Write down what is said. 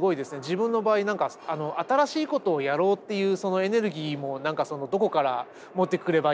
自分の場合何か新しいことをやろうっていうそのエネルギーも何かそのどこから持ってくればいいのかなという。